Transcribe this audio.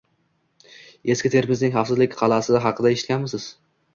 Eski Termizning xavfsizlik qalasi haqida eshitganmisiz?